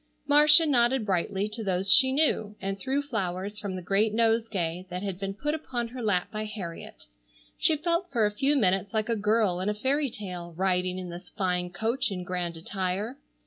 Marcia nodded brightly to those she knew, and threw flowers from the great nosegay that had been put upon her lap by Harriet. She felt for a few minutes like a girl in a fairy tale riding in this fine coach in grand attire.